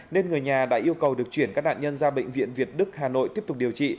nên người nhà đã yêu cầu được chuyển các nạn nhân ra bệnh viện việt đức hà nội tiếp tục điều trị